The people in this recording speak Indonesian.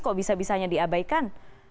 kok bisa bisanya diabaikan